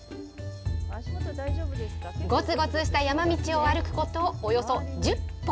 ごつごつした山道を歩くことおよそ１０歩。